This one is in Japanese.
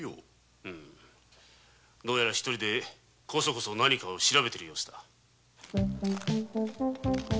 一人でこそこそ何かを調べている様子だ。